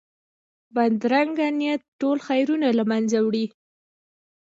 بدرنګه نیت ټول خیرونه له منځه وړي